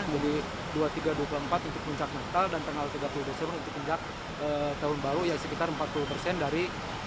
jadi dua puluh tiga dua puluh empat untuk puncak natal dan tanggal tiga puluh desember untuk puncak tahun baru ya sekitar empat puluh persen dari delapan puluh